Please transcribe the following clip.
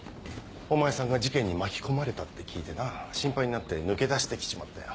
お前さんが事件に巻き込まれたって聞いてな心配になって抜け出して来ちまったよ。